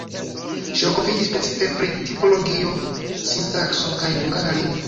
Ŝi okupiĝis precipe pri tipologio, sintakso kaj hungara lingvo.